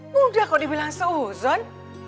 bunda kok dibilang sehuzon